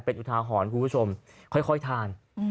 เป็นอุทาหรณ์คุณผู้ชมค่อยทาน